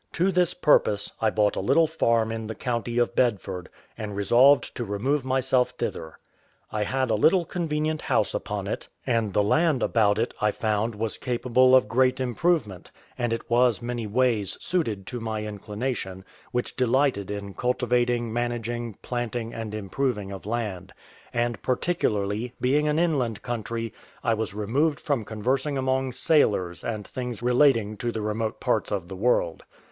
To this purpose, I bought a little farm in the county of Bedford, and resolved to remove myself thither. I had a little convenient house upon it, and the land about it, I found, was capable of great improvement; and it was many ways suited to my inclination, which delighted in cultivating, managing, planting, and improving of land; and particularly, being an inland country, I was removed from conversing among sailors and things relating to the remote parts of the world.